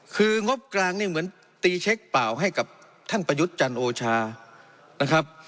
คืองบกลางเนี่ยเหมือนตีเช็คเปล่าให้กับท่านประยุทธ์จันโอชานะครับ